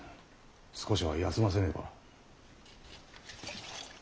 少しは休ませねば。